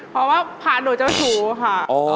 เพราะว่าพาดโดยเจ้าชู้ค่ะ